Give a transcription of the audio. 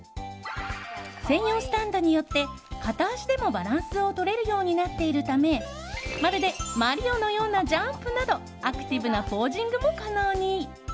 専用スタンドによって片足でもバランスをとれるようになっているためまるでマリオのようなジャンプなどアクティブなポージングも可能に。